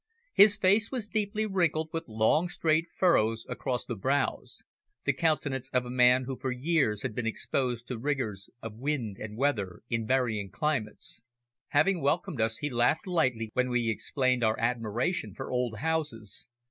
His face was deeply wrinkled with long, straight furrows across the brows; the countenance of a man who for years had been exposed to rigours of wind and weather in varying climates. Having welcomed us, he laughed lightly when we explained our admiration for old houses.